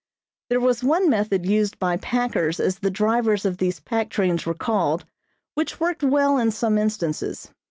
There was one method used by "packers," as the drivers of these pack trains were called, which worked well in some instances.